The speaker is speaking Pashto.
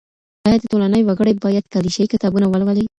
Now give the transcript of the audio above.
ايا د ټولني وګړي بايد کليشه يي کتابونه ولولي؟